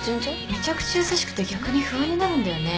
めちゃくちゃ優しくて逆に不安になるんだよね。